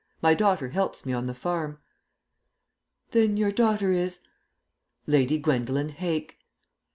My daughter helps me on the farm." "Then your daughter is " "Lady Gwendolen Hake."